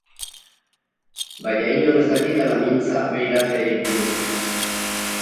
Baina inor ez dakidala mintza beirateei buruz.